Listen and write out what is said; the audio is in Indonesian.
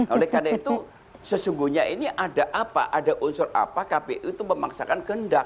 oleh karena itu sesungguhnya ini ada apa ada unsur apa kpu itu memaksakan kehendak